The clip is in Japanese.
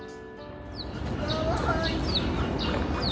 かわいい。